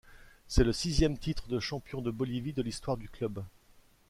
C'est le sixième titre de champion de Bolivie de l'histoire du club.